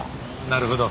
なるほど。